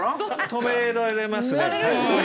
止められますね。